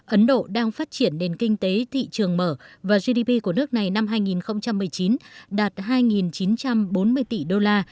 ấn độ đang phát triển nền kinh tế thị trường mở và gdp của nước này năm hai nghìn một mươi chín đạt hai chín trăm bốn mươi tỷ đô la